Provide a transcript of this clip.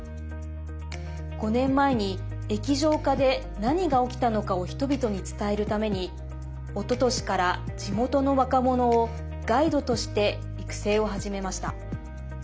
５年前に液状化で何が起きたのかを人々に伝えるためにおととしから、地元の若者をガイドとして育成を始めました。